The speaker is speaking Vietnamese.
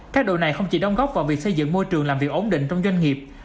các đội này không chỉ đóng góp vào việc xây dựng môi trường làm việc ổn định trong doanh nghiệp